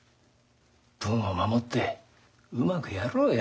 分を守ってうまくやろうや。